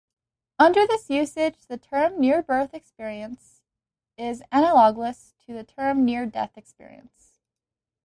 Under this usage, the term "near-birth experience" is analogous to the term "near-death experience.